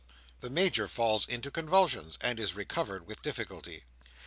'" The Major falls into convulsions, and is recovered with difficulty.